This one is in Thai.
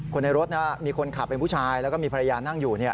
ในรถมีคนขับเป็นผู้ชายแล้วก็มีภรรยานั่งอยู่